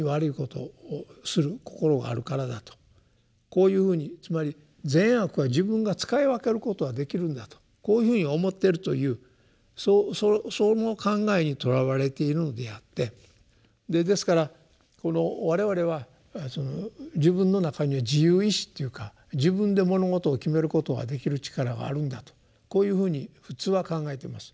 こういうふうにつまり善悪は自分が使い分けることができるんだとこういうふうに思ってるというその考えにとらわれているのであってですからこの我々は自分の中に自由意思っていうか自分で物事を決めることができる力があるんだとこういうふうに普通は考えてます。